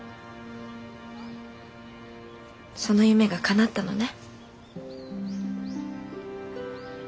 その夢がかなったのね。